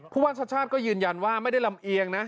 ว่าชาติชาติก็ยืนยันว่าไม่ได้ลำเอียงนะ